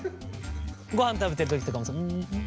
ごはん食べてるときとかもん？